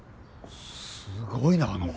すごいなあの子。